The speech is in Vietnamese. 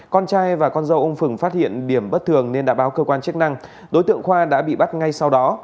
con trai và con dâu ông phừng phát hiện điểm bất thường nên đã báo cơ quan chức năng đối tượng khoa đã bị bắt ngay sau đó